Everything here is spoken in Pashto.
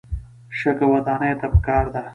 شګه ودانیو ته پکار ده.